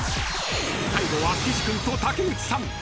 ［最後は岸君と竹内さん］